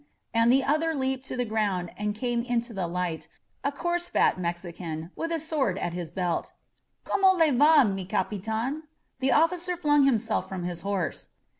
*^ and the other leaped to the ground and came into the li^t, a coarse, fat Mexican, with a sword at his belt. ^'Cima U va^ m Cafitmmy^ The oflkrer flung himself from his horse.